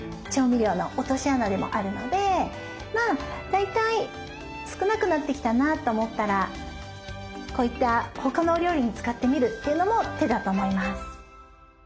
大体少なくなってきたなと思ったらこういった他のお料理に使ってみるというのも手だと思います。